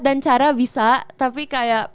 dan cara bisa tapi kayak